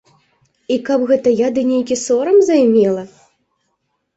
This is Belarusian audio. І каб гэта я ды нейкі там сорам займела?